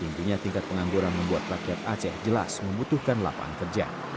intinya tingkat pengangguran membuat rakyat aceh jelas membutuhkan lapangan kerja